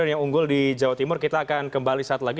yang unggul di jawa timur kita akan kembali saat lagi